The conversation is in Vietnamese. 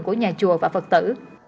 của nhà chùa và phật tử